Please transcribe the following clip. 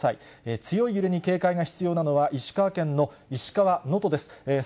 強い揺れに警戒が必要なのは、石川県の石川能登です。